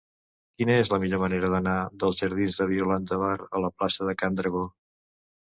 Quina és la millor manera d'anar dels jardins de Violant de Bar a la plaça de Can Dragó?